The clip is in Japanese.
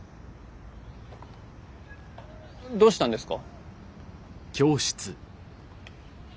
どうしたんですか？